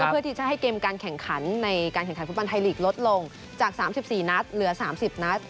เพื่อที่จะให้เกมการแข่งขันในการแข่งขันฟุตบอลไทยลีกลดลงจาก๓๔นัดเหลือ๓๐นัด